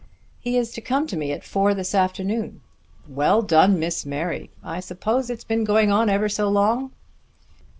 "He is to come to me at four this afternoon." "Well done, Miss Mary! I suppose it's been going on ever so long?"